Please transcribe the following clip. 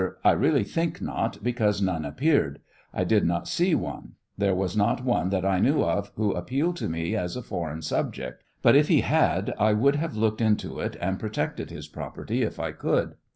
I really think net, because none appeared; I did not see one; there was not one that I knew of who ap pealed to me as a foreign subject, but if he had, I would have looked into it, and protected his property if I could.